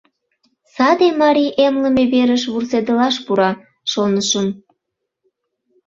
Саде марий эмлыме верыш вурседылаш пура, шонышым.